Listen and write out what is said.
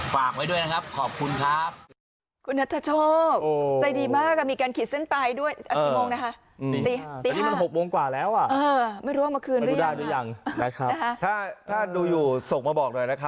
ฝากไว้ด้วยนะครับขอบคุณครับ